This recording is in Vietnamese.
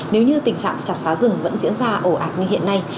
nếu như tình trạng chặt phá rừng vẫn diễn ra ổ ạt như hiện nay